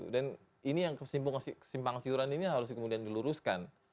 dan ini yang kesimpang siuran ini harus kemudian diluruskan